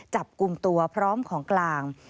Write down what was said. จับกลุ่มตัวพร้อมของกลาง